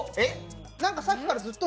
なんか、さっきからずっと。